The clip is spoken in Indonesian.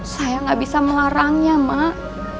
saya nggak bisa melarangnya mak